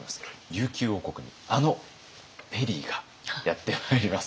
琉球王国にあのペリーがやって参ります。